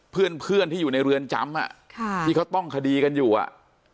เพื่อนเพื่อนที่อยู่ในเรือนจำอ่ะค่ะที่เขาต้องคดีกันอยู่อ่ะ